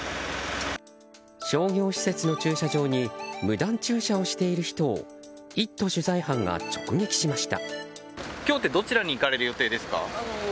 商業施設の駐車場に無断駐車をしている人を「イット！」取材班が直撃しました。